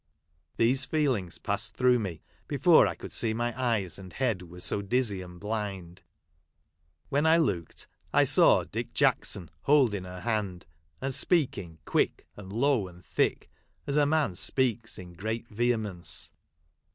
These feelings passed thr6ugh me before I could see, my eyes and head were so dizzy and blind. When I looked I saw Dick Jackson holding her hand, and speaking quick and low, and thi ck, as a man.! speaks in great vehemence.